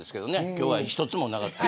今日は１つもなかった。